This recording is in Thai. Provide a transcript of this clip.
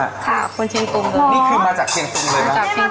ค่ะคุณเชียงตุงเลยนี่ขึ้นมาจากเชียงตุงเลยป่ะ